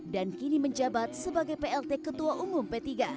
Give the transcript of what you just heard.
dan kini menjabat sebagai plt ketua umum p tiga